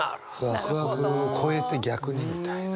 ワクワクを超えて逆にみたいな。